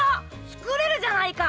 作れるじゃないか！